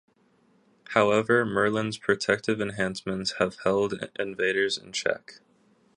However, Merlin's protective enchantments have held invaders in check.